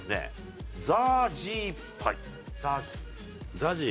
ＺＡＺＹ？